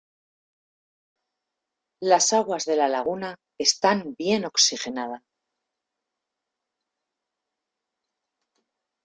Las aguas de la laguna están bien oxigenada.